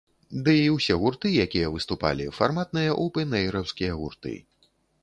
Ды і ўсе гурты, якія выступалі, фарматныя оўпэн-эйраўскія гурты.